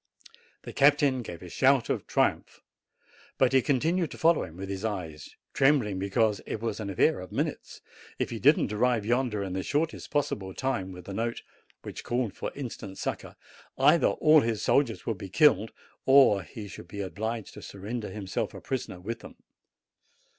The captain gave a shout of triumph. But he continued to follow him with his eyes, trembling be cause it was an affair of minutes : if he did not arrive yonder in the shortest possible time with the note, which called for instant succor, either all his soldiers would be killed or he should be obliged to surrender himself a prisoner with them.